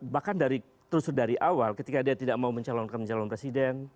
bahkan terus dari awal ketika dia tidak mau mencalonkan calon presiden